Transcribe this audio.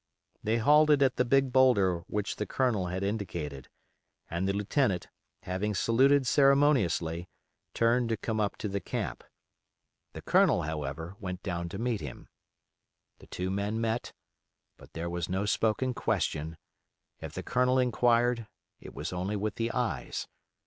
They halted at the big bowlder which the Colonel had indicated, and the lieutenant, having saluted ceremoniously, turned to come up to the camp; the Colonel, however, went down to meet him. The two men met, but there was no spoken question; if the Colonel inquired it was only with the eyes.